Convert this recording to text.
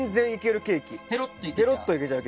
ペロッといけちゃう？